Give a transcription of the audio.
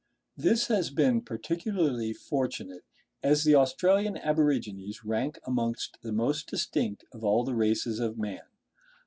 This has been particularly fortunate, as the Australian aborigines rank amongst the most distinct of all the races of man.